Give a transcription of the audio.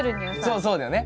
そうそうだよね。